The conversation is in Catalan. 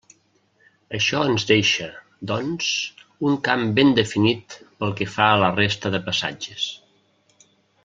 Això ens deixa, doncs, un camp ben definit pel que fa a la resta de passatges.